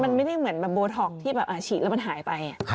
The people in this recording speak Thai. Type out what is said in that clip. มันไม่ได้เหมือนแบบโบท็อกที่แบบฉีดแล้วมันหายไป